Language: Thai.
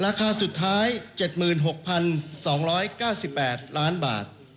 ราคาสุดท้าย๗๖๒๙๘ล้านบาท